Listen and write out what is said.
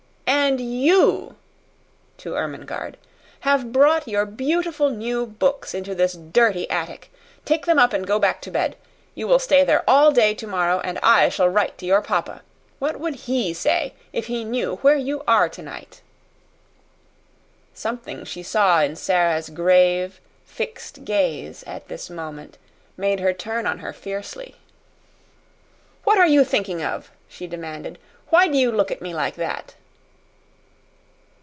"And you" to Ermengarde "have brought your beautiful new books into this dirty attic. Take them up and go back to bed. You will stay there all day tomorrow, and I shall write to your papa. What would HE say if he knew where you are tonight?" Something she saw in Sara's grave, fixed gaze at this moment made her turn on her fiercely. "What are you thinking of?" she demanded. "Why do you look at me like that?"